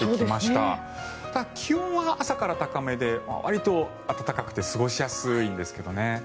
ただ、気温は朝から高めでわりと暖かくて過ごしやすいんですけどね。